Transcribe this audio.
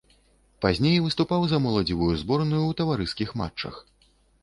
Пазней выступаў за моладзевую зборную ў таварыскіх матчах.